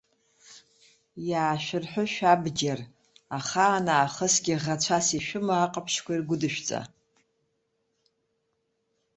Иаашәырҳәы шәабџьар ахаан аахысгьы ӷацәас ишәымоу аҟаԥшьқәа иргәыдышәҵа.